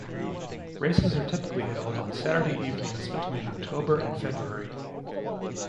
Races are typically held on Saturday evenings between October and February.